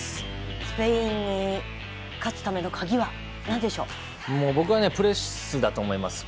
スペインに勝つための鍵は僕はプレスだと思います。